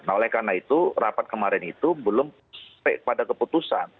nah oleh karena itu rapat kemarin itu belum sampai pada keputusan